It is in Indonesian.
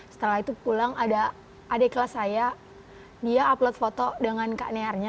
setelah itu pulang ada adik kelas saya dia upload foto dengan kak nearnya